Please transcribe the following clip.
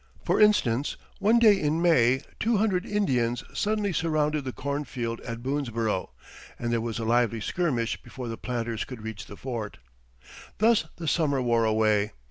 For instance, one day in May two hundred Indians suddenly surrounded the corn field at Boonesborough, and there was a lively skirmish before the planters could reach the fort. Thus the summer wore away.